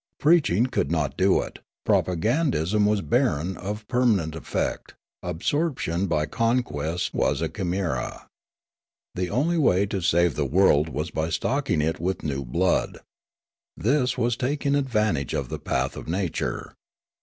Preaching could not do it ; propagandism was barren of perman ent effect; absorption b}' conquest was a chimera. The only way to sav^e the world was b} stocking it with new blood. This was taking advantage of the path of nature.